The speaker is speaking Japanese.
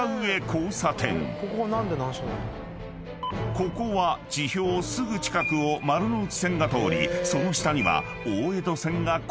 ［ここは地表すぐ近くを丸ノ内線が通りその下には大江戸線が交差］